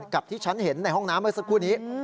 กับที่ฉันเห็นในห้องน้ำเมื่อสักครู่นี้